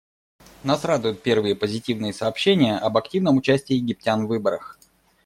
Нас радуют первые позитивные сообщения об активном участии египтян в выборах.